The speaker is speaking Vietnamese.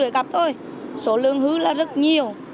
một trăm năm mươi cặp thôi số lượng hư là rất nhiều